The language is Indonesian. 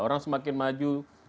orang semakin maju